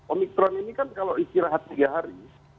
om ikturan ini kan kalau istirahat tiga hari